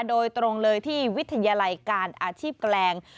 โดยตรงเลยที่วิทยาลัยการอาชีพแกลง